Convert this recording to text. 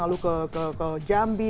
lalu ke jambi